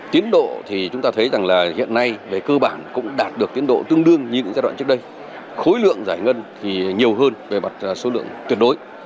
tiến độ thì chúng ta thấy rằng là hiện nay về cơ bản cũng đạt được tiến độ tương đương như những giai đoạn trước đây khối lượng giải ngân thì nhiều hơn về mặt số lượng tuyệt đối